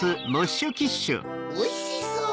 おいしそう！